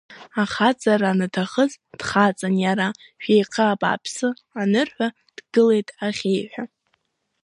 Ахаҵара анаҭахыз, дхаҵан иара, шәеиха, абааԥс, анырҳәа, дгылеит аӷьеиҩҳәа.